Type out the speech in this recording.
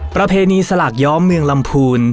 ประเพณีสลากย้อมเมืองลำพูน